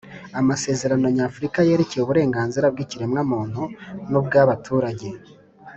amasezerano nyafrika yerekeye uburenganzira bw’ikiremwamuntu n’ubwabaturage,